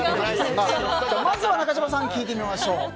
まずは中島さんに聞いてみましょう。